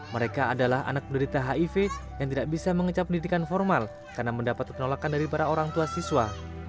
mereka adalah anak penderita hiv yang tidak bisa mengecap pendidikan formal karena mendapat penolakan dari para orang tua siswa